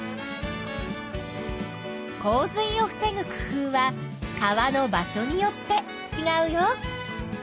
洪水を防ぐ工夫は川の場所によってちがうよ。